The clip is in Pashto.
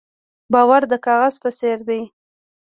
باور د کاغذ په څېر دی.